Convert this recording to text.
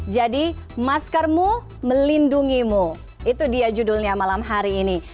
jadi maskermu melindungimu itu dia judulnya malam hari ini